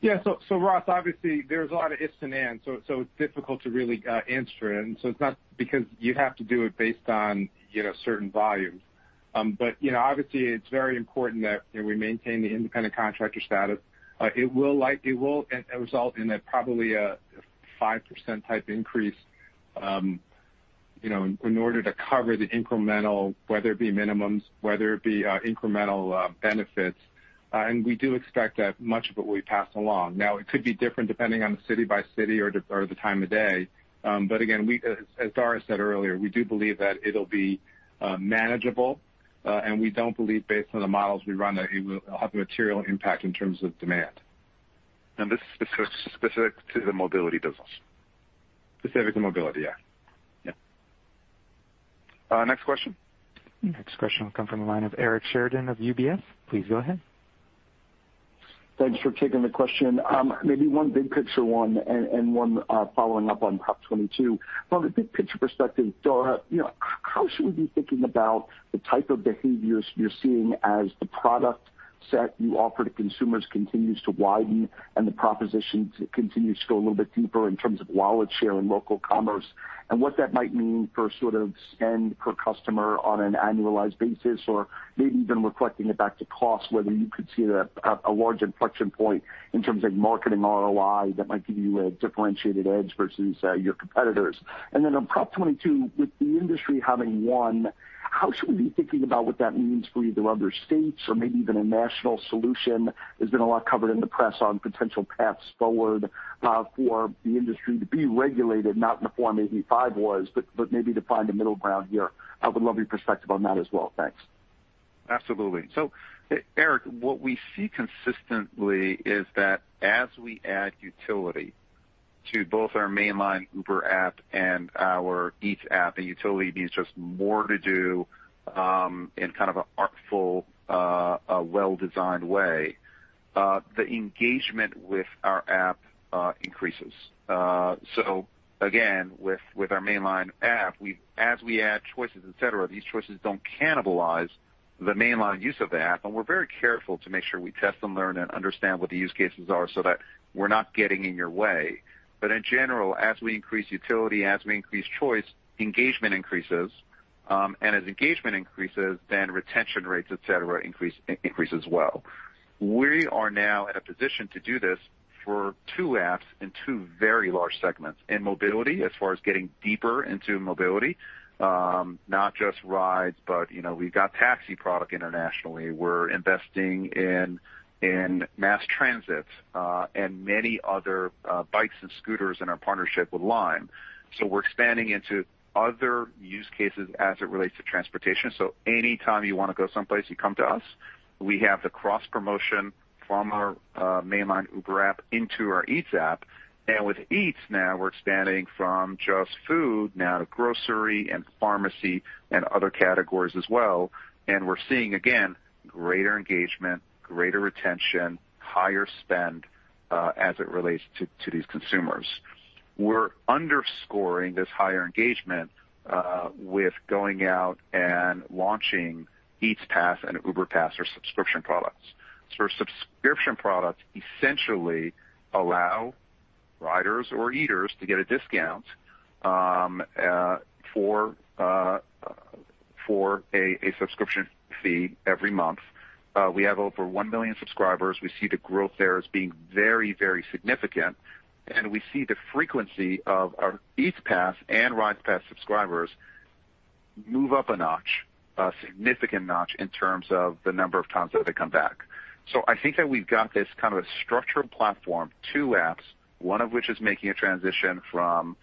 22? Ross, obviously there's a lot of ifs and ands, it's difficult to really answer. It's not because you have to do it based on, you know, certain volumes. You know, obviously it's very important that, you know, we maintain the independent contractor status. It will result in a probably a 5% type increase, you know, in order to cover the incremental, whether it be minimums, whether it be incremental benefits. We do expect that much of it will be passed along. Now, it could be different depending on the city by city or the time of day. Again, we, as Dara said earlier, we do believe that it'll be manageable. We don't believe based on the models we run, that it'll have a material impact in terms of demand. This is specific to the Mobility business? Specific to Mobility, yeah. Yeah. Next question. Next question will come from the line of Eric Sheridan of UBS. Please go ahead. Thanks for taking the question. Maybe one big picture one and one following up on Proposition 22. From a big picture perspective, Dara, you know, how should we be thinking about the type of behaviors you're seeing as the product set you offer to consumers continues to widen and the proposition continues to go a little bit deeper in terms of wallet share and local commerce and what that might mean for sort of spend per customer on an annualized basis? Or maybe even reflecting it back to cost, whether you could see a large inflection point in terms of marketing ROI that might give you a differentiated edge versus your competitors. On Proposition 22, with the industry having won, how should we be thinking about what that means for either other states or maybe even a national solution? There's been a lot covered in the press on potential paths forward, for the industry to be regulated, not in the form AB 5 was, but maybe to find a middle ground here. I would love your perspective on that as well. Thanks. Absolutely. Eric, what we see consistently is that as we add utility to both our mainline Uber app and our Eats app, and utility means just more to do, in kind of an artful, a well-designed way, the engagement with our app increases. Again, with our mainline app, as we add choices, et cetera, these choices don't cannibalize the mainline use of the app. We're very careful to make sure we test and learn and understand what the use cases are so that we're not getting in your way. In general, as we increase utility, as we increase choice, engagement increases. As engagement increases, retention rates, et cetera, increase as well. We are now in a position to do this for two apps in two very large segments. In Mobility, as far as getting deeper into Mobility, not just rides, but you know, we've got taxi product internationally. We're investing in mass transit, and many other bikes and scooters in our partnership with Lime. We're expanding into other use cases as it relates to transportation. Anytime you wanna go someplace, you come to us. We have the cross-promotion from our mainline Uber app into our Eats app. With Eats now we're expanding from just food now to grocery and pharmacy and other categories as well. We're seeing, again, greater engagement, greater retention, higher spend, as it relates to these consumers. We're underscoring this higher engagement with going out and launching Eats Pass and Uber Pass, our subscription products. Our subscription products essentially allow riders or eaters to get a discount for a subscription fee every month. We have over 1 million subscribers. We see the growth there as being very, very significant, and we see the frequency of our Eats Pass and Rides Pass subscribers move up a notch, a significant notch in terms of the number of times that they come back. I think that we've got this kind of a structured platform, two apps, one of which is making a transition from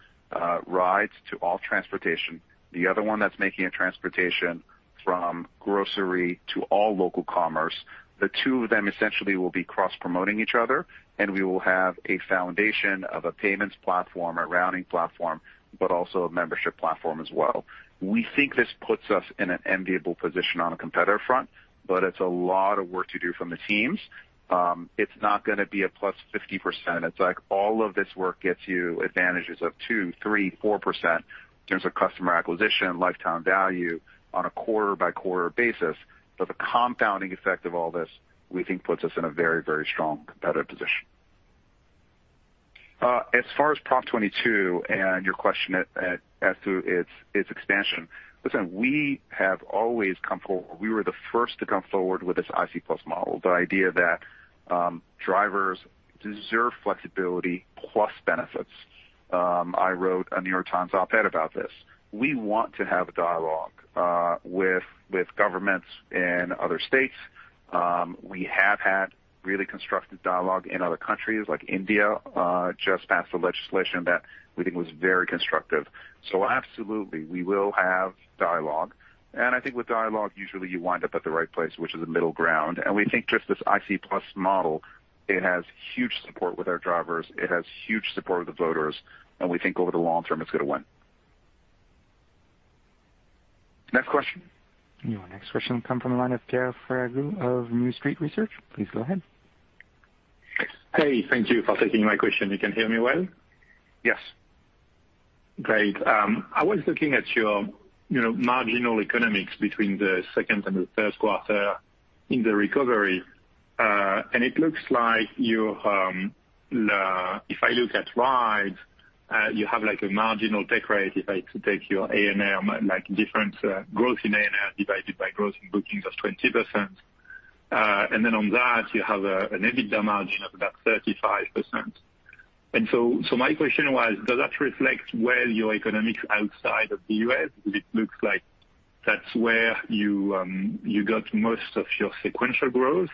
rides to all transportation, the other one that's making a transportation from grocery to all local commerce. The two of them essentially will be cross-promoting each other, and we will have a foundation of a payments platform, a routing platform, but also a membership platform as well. We think this puts us in an enviable position on a competitor front. It's a lot of work to do from the teams. It's not gonna be a +50%. It's like all of this work gets you advantages of 2%, 3%, 4% in terms of customer acquisition, lifetime value on a quarter-by-quarter basis. The compounding effect of all this, we think puts us in a very, very strong competitive position. As far as Proposition 22 and your question as to its expansion, listen, we have always come forward. We were the first to come forward with this IC+ model, the idea that drivers deserve flexibility plus benefits. I wrote a New York Times op-ed about this. We want to have a dialogue with governments in other states. We have had really constructive dialogue in other countries, like India, just passed a legislation that we think was very constructive. Absolutely, we will have dialogue. I think with dialogue, usually you wind up at the right place, which is a middle ground. We think just this IC+ model, it has huge support with our drivers, it has huge support of the voters, and we think over the long term it's gonna win. Next question. Your next question will come from the line of Pierre Ferragu of New Street Research. Please go ahead. Hey, thank you for taking my question. You can hear me well? Yes. Great. I was looking at your, you know, marginal economics between the second and the third quarter in the recovery. It looks like your, if I look at rides, you have like a marginal take rate if I take your ANR, like different, growth in ANR divided by growth in bookings of 20%. Then on that, you have an EBITDA margin of about 35%. My question was, does that reflect well your economics outside of the U.S.? It looks like that's where you got most of your sequential growth.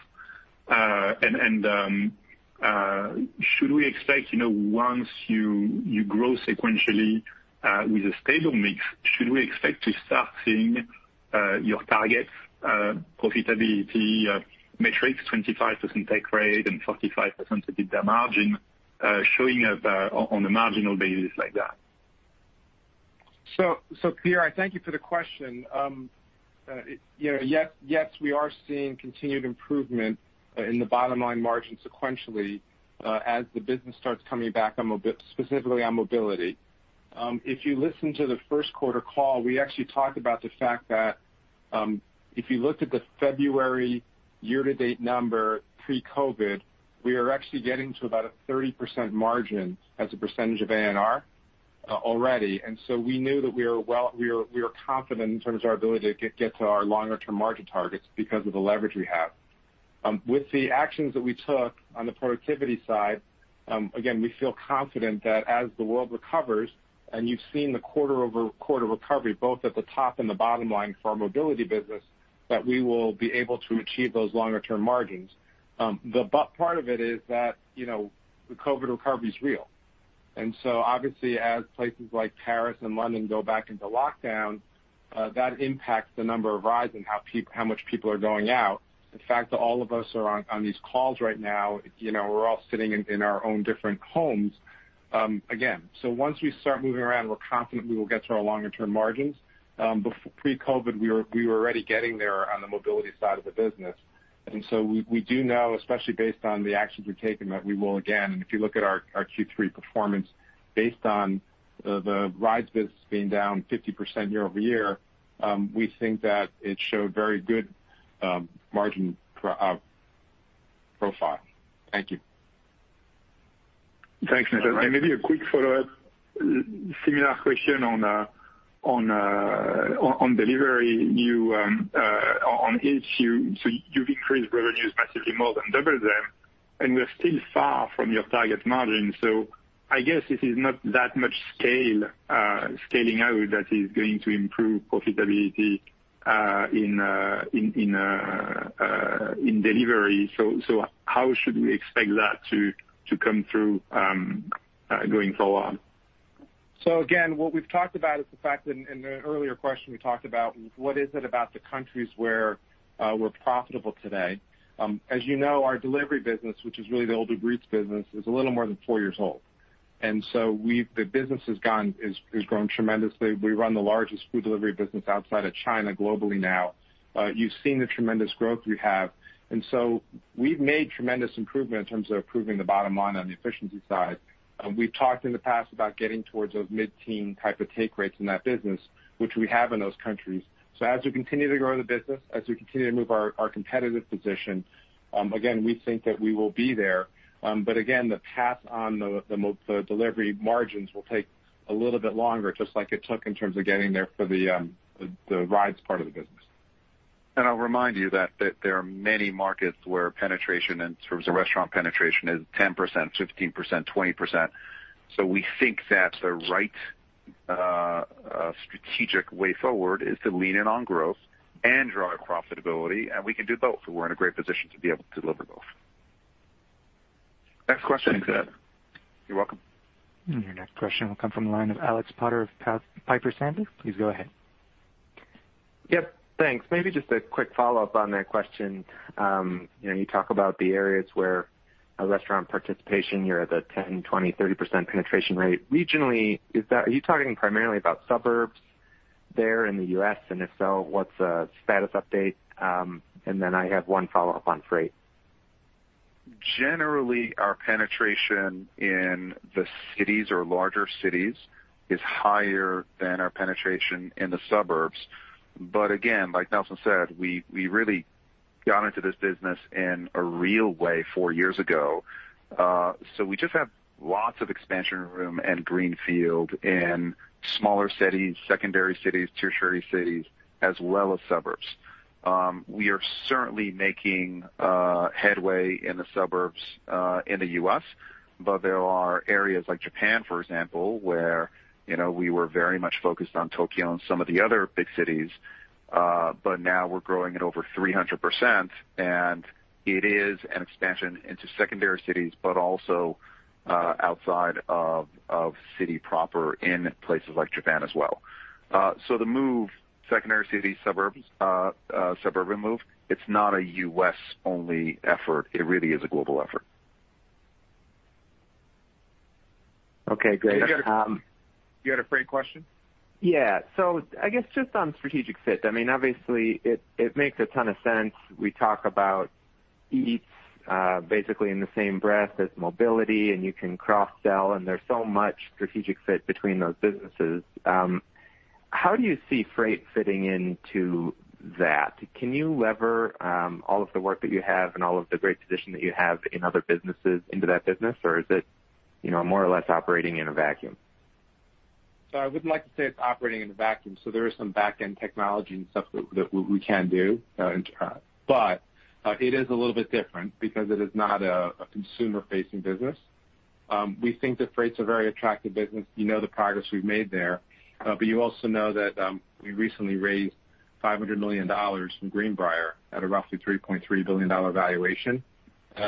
Should we expect, you know, once you grow sequentially, with a stable mix, should we expect to start seeing your target profitability metrics, 25% take rate and 45% EBITDA margin, showing up on a marginal basis like that? Pierre, I thank you for the question. You know, yes, we are seeing continued improvement in the bottom line margin sequentially as the business starts coming back on specifically on Mobility. If you listen to the first quarter call, we actually talked about the fact that if you looked at the February year to date number pre-COVID, we are actually getting to about a 30% margin as a percentage of ANR already. We knew that we are confident in terms of our ability to get to our longer term margin targets because of the leverage we have. With the actions that we took on the productivity side, again, we feel confident that as the world recovers, and you've seen the quarter-over-quarter recovery both at the top and the bottom line for our Mobility business, that we will be able to achieve those longer term margins. The but part of it is that, you know, the COVID recovery is real. Obviously as places like Paris and London go back into lockdown, that impacts the number of rides and how much people are going out. The fact that all of us are on these calls right now, you know, we're all sitting in our own different homes, again. Once we start moving around, we're confident we will get to our longer term margins. Pre-COVID, we were already getting there on the Mobility side of the business. We do know, especially based on the actions we've taken, that we will again. If you look at our Q3 performance based on the rides business being down 50% year-over-year, we think that it showed very good margin profile. Thank you. Thanks, Nelson. Maybe a quick follow-up, similar question on Delivery. On Eats, you've increased revenues massively more than double them, and we're still far from your target margin. I guess this is not that much scale scaling out that is going to improve profitability in Delivery. How should we expect that to come through going forward? Again, what we've talked about is the fact that in an earlier question we talked about what is it about the countries where we're profitable today. As you know, our Delivery business, which is really the old Uber Eats business, is a little more than four years old. We've the business has grown tremendously. We run the largest food Delivery business outside of China globally now. You've seen the tremendous growth we have, we've made tremendous improvement in terms of improving the bottom line on the efficiency side. We've talked in the past about getting towards those mid-teen type of take rates in that business, which we have in those countries. As we continue to grow the business, as we continue to move our competitive position, again, we think that we will be there. Again, the pass on the Delivery margins will take a little bit longer, just like it took in terms of getting there for the rides part of the business. I'll remind you that there are many markets where penetration in terms of restaurant penetration is 10%, 15%, 20%. We think that the right strategic way forward is to lean in on growth and drive profitability, and we can do both. We're in a great position to be able to deliver both. Next question. Thanks, Nelson. You're welcome. Your next question will come from the line of Alexander Potter of Piper Sandler. Please go ahead. Yep, thanks. Maybe just a quick follow-up on that question. You know, you talk about the areas where restaurant participation, you're at the 10%, 20%, 30% penetration rate. Regionally, are you talking primarily about suburbs there in the U.S.? If so, what's the status update? Then I have one follow-up on Freight. Generally, our penetration in the cities or larger cities is higher than our penetration in the suburbs. Again, like Nelson said, we really got into this business in a real way four years ago. We just have lots of expansion room and greenfield in smaller cities, secondary cities, tertiary cities, as well as suburbs. We are certainly making headway in the suburbs in the U.S., but there are areas like Japan, for example, where, you know, we were very much focused on Tokyo and some of the other big cities, but now we're growing at over 300%, and it is an expansion into secondary cities, but also outside of city proper in places like Japan as well. The move, secondary cities, suburbs, suburban move, it's not a U.S.-only effort. It really is a global effort. Okay, great. You had a Freight question? I guess just on strategic fit, I mean, obviously it makes a ton of sense. We talk about Eats basically in the same breath as Mobility, you can cross-sell, there's so much strategic fit between those businesses. How do you see Freight fitting into that? Can you lever all of the work that you have and all of the great position that you have in other businesses into that business? Is it, you know, more or less operating in a vacuum? I wouldn't like to say it's operating in a vacuum, there is some back-end technology and stuff that we can do enterprise. It is a little bit different because it is not a consumer-facing business. We think that Freight's a very attractive business. You know the progress we've made there. You also know that we recently raised $500 million from Greenbriar at a roughly $3.3 billion valuation.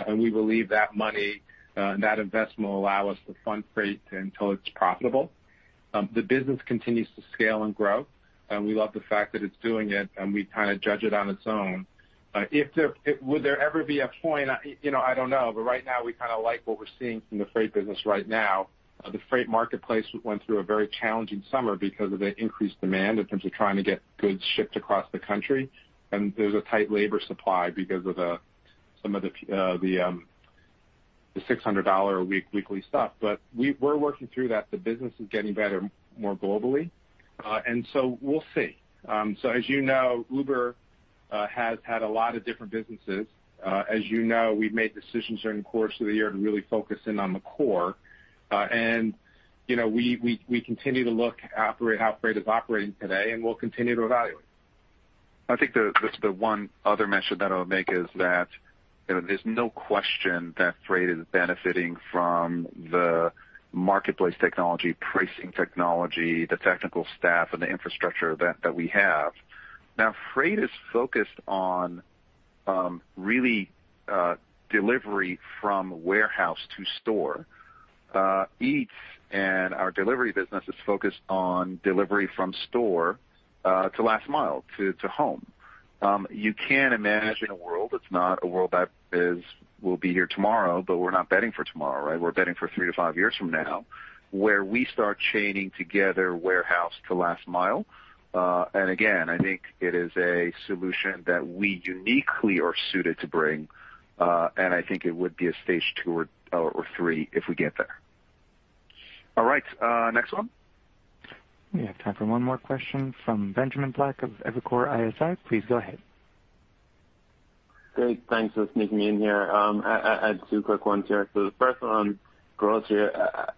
We believe that money and that investment will allow us to fund Freight until it's profitable. The business continues to scale and grow, we love the fact that it's doing it, and we kind of judge it on its own. Would there ever be a point? I, you know, I don't know, but right now we kind of like what we're seeing from the Freight business right now. The Freight marketplace went through a very challenging summer because of the increased demand in terms of trying to get goods shipped across the country, and there's a tight labor supply because of the, some of the $600 a week weekly stuff. We're working through that. The business is getting better more globally. We'll see. As you know, Uber has had a lot of different businesses. As you know, we've made decisions during the course of the year to really focus in on the core. You know, we continue to look at how Freight is operating today, and we'll continue to evaluate. I think the one other mention that I would make is that, you know, there's no question that Freight is benefiting from the marketplace technology, pricing technology, the technical staff and the infrastructure that we have. Freight is focused on really delivery from warehouse to store. Eats and our Delivery business is focused on delivery from store to last mile to home. You can imagine a world that's not a world that is, will be here tomorrow, we're not betting for tomorrow, right? We're betting for three to five years from now, where we start chaining together warehouse to last mile. Again, I think it is a solution that we uniquely are suited to bring. I think it would be a stage two or three if we get there. All right, next one. We have time for one more question from Benjamin Black of Evercore ISI. Please go ahead. Great. Thanks for sneaking me in here. I had two quick ones here. The first one on Grocery.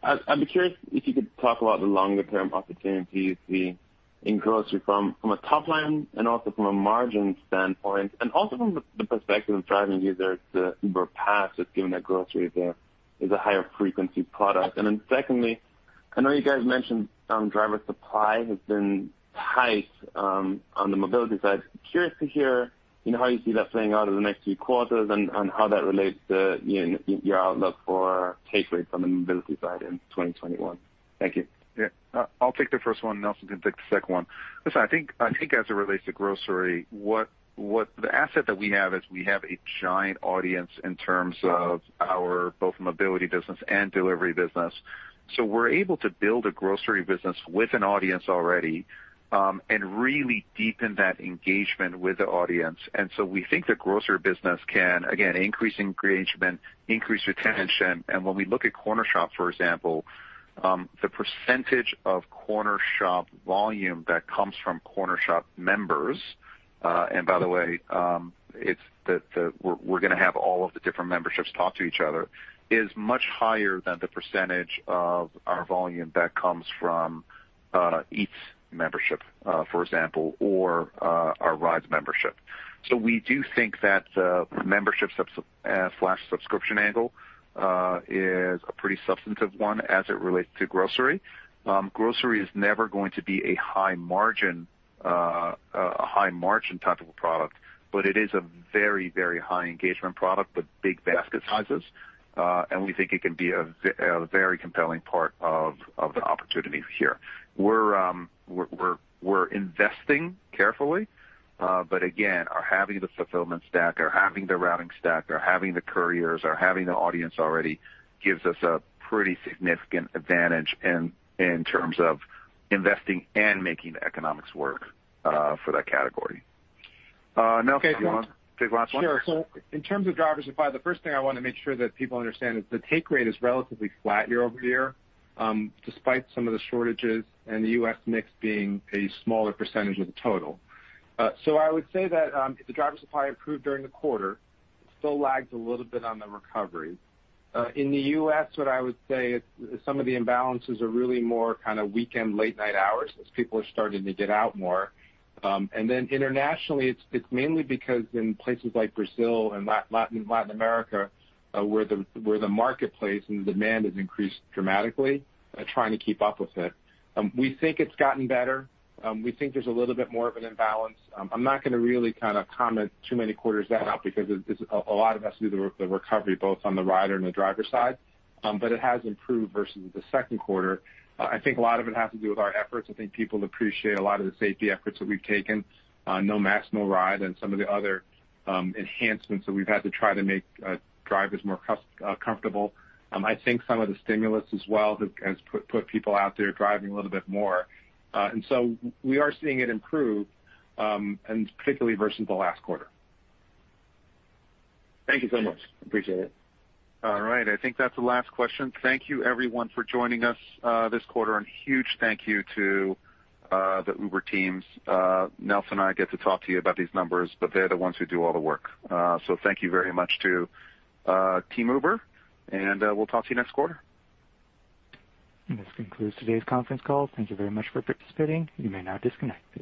I'd be curious if you could talk about the longer term opportunities we see in Grocery from a top line and also from a margin standpoint, and also from the perspective of driving users to Uber Pass, just given that Grocery is a higher frequency product. Secondly, I know you guys mentioned driver supply has been tight on the Mobility side. Curious to hear, you know, how you see that playing out in the next few quarters and how that relates to, you know, your outlook for take rates on the Mobility side in 2021. Thank you. Yeah. I'll take the first one, and Nelson can take the second one. Listen, I think as it relates to Grocery, what the asset that we have is we have a giant audience in terms of our both Mobility business and Delivery business. We're able to build a Grocery business with an audience already, and really deepen that engagement with the audience. We think the Grocery business can, again, increase engagement, increase retention. When we look at Cornershop, for example, the percentage of Cornershop volume that comes from Cornershop members, and by the way, We're gonna have all of the different memberships talk to each other, is much higher than the percentage of our volume that comes from Uber Eats membership, for example, or our Rides membership. We do think that the membership/subscription angle is a pretty substantive one as it relates to Grocery. Grocery is never going to be a high margin, a high margin type of a product, but it is a very, very high engagement product with big basket sizes. We think it can be a very compelling part of the opportunities here. We're investing carefully, but again, our having the fulfillment stack, our having the routing stack, our having the couriers, our having the audience already gives us a pretty significant advantage in terms of investing and making the economics work for that category. Nelson, do you want- Okay, so- Take the last one? Sure. In terms of driver supply, the first thing I want to make sure that people understand is the take rate is relatively flat year-over-year, despite some of the shortages and the U.S. mix being a smaller percentage of the total. I would say that the driver supply improved during the quarter. It still lags a little bit on the recovery. In the U.S., what I would say is some of the imbalances are really more kind of weekend, late night hours as people are starting to get out more. Internationally, it's mainly because in places like Brazil and Latin America, where the marketplace and demand has increased dramatically, trying to keep up with it. We think it's gotten better. We think there's a little bit more of an imbalance. I'm not gonna really kind of comment too many quarters out because it's a lot of it has to do with the recovery, both on the rider and the driver side. It has improved versus the second quarter. I think a lot of it has to do with our efforts. I think people appreciate a lot of the safety efforts that we've taken, No Mask, No Ride, and some of the other enhancements that we've had to try to make drivers more comfortable. I think some of the stimulus as well has put people out there driving a little bit more. We are seeing it improve, and particularly versus the last quarter. Thank you so much. Appreciate it. All right. I think that's the last question. Thank you everyone for joining us this quarter, and huge thank you to the Uber teams. Nelson and I get to talk to you about these numbers, but they're the ones who do all the work. Thank you very much to team Uber, and we'll talk to you next quarter. This concludes today's conference call. Thank you very much for participating. You may now disconnect.